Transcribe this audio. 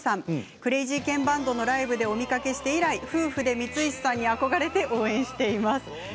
クレイジーケンバンドのライブでお見かけして以来、夫婦で光石さんに憧れて応援しています。